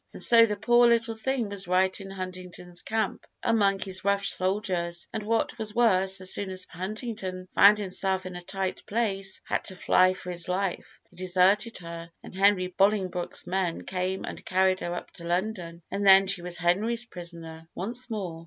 And so the poor little thing was right in Huntington's camp, among his rough soldiers; and what was worse, as soon as Huntington found himself in a tight place, and had to fly for his life, he deserted her, and Henry Bolingbroke's men came and carried her up to London, and then she was Henry's prisoner once more.